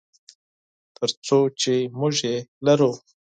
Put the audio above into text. تر څو چې موږ یې لرو.